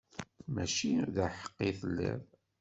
Mačči d aḥeqqi i telliḍ.